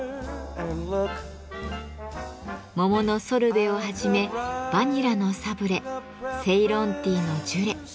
桃のソルベをはじめバニラのサブレセイロンティーのジュレ。